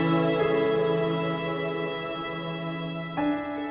ทุกวันต่อไป